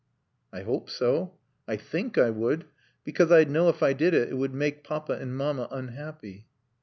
"I hope so. I think I would, because I'd know if I did it would make Papa and Mamma unhappy."